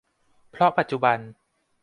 เพราะปัจจุบัน